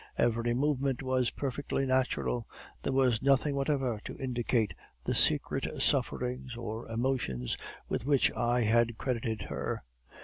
Every movement was perfectly natural; there was nothing whatever to indicate the secret sufferings or emotions with which I had credited her.